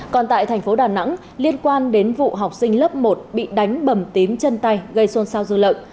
còn tại tp đà nẵng liên quan đến vụ học sinh lớp một bị đánh bầm tím chân tay gây xôn xao dư lợn